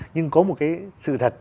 nhưng có một cái sự thật